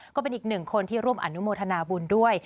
ก็เป็นอีกหนึ่งคนที่ร่วมอนุโมทนาบุญด้วย